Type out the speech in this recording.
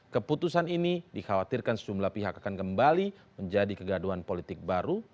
keputusan ini dikhawatirkan sejumlah pihak akan kembali menjadi kegaduhan politik baru